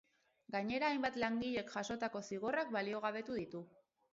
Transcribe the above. Gainera, hainbat langilek jasotako zigorrak baliogabetu ditu.